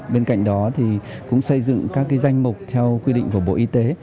bên cạnh đó thì cũng xây dựng các danh mục theo quy định của bộ y tế